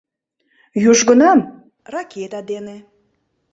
Южгунам — ракета дене.